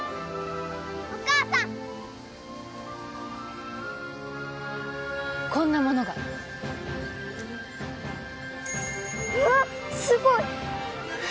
お母さんこんなものがうわっすごい！